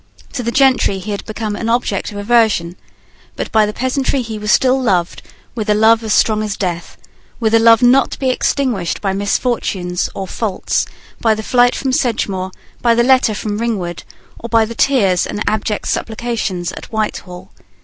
To the gentry he had become an object of aversion: but by the peasantry he was still loved with a love strong as death, with a love not to be extinguished by misfortunes or faults, by the flight from Sedgemoor, by the letter from Ringwood, or by the tears and abject supplications at Whitehall.